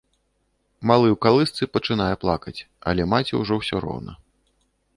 Малы ў калысцы пачынае плакаць, але маці ўжо ўсё роўна.